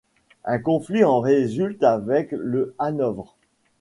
Un conflit en résulte avec le Hanovre.